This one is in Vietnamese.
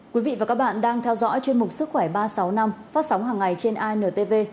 quý vị và các bạn đang theo dõi chuyên mục sức khỏe ba trăm sáu mươi năm phát sóng hàng ngày trên intv